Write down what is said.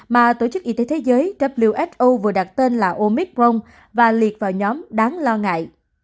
mà tổ chức y tế thế giới who vừa đặt tên là omicron và liệt vào nhóm đáng lo ngại